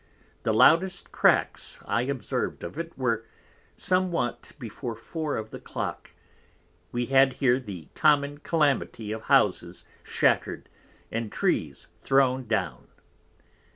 The loudest cracks I observed of it, were somewhat before 4 of the Clock; we had here the common Calamity of Houses shatter'd and Trees thrown down.